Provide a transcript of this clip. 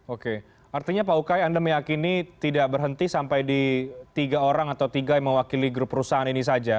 oke artinya pak ukay anda meyakini tidak berhenti sampai di tiga orang atau tiga yang mewakili grup perusahaan ini saja